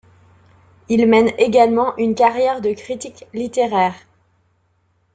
Il mène également une carrière de critique littéraire.